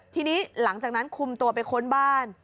ทีนี้หลังจากนั้นคุมตัวไปค้นบ้าน